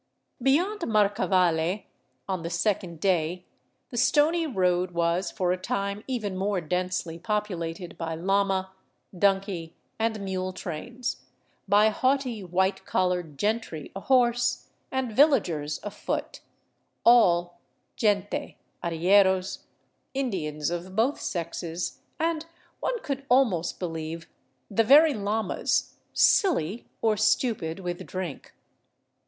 Beyond Marcavalle, on the second day, the stony road was for a time even more densely populated by llama, donkey, and mule trains, by haughty, white collared gentry ahorse, and villagers afoot, all, —" gente," arrieros, Indians of both sexes, and, one could almost be lieve, the very llamas — silly or stupid with drink.